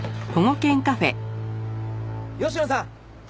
吉野さん！